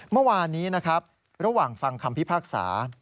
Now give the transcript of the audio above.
เมื่อวานนี้นะครับระหว่างฟังคำพิพากษา